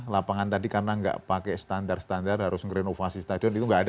lapangan tadi karena nggak pakai standar standar harus ngerenovasi stadion itu nggak ada